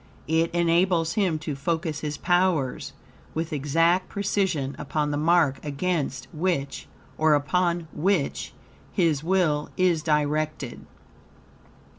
It enables him to focus his powers with exact precision upon the mark against which, or upon which, his will is directed.